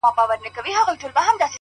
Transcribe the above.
هغه چي تږې سي اوبه په پټو سترگو څيښي!